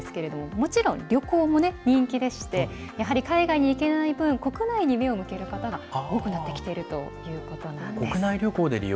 もちろん、旅行も人気でしてやはり海外に行けない分、国内に目を向ける方が多くなっているということなんです。